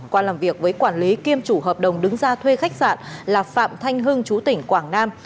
qua làm việc với quản lý kiêm chủ hợp đồng đứng ra thuê khách sạn là phạm thanh hưng chú tỉnh quảng nam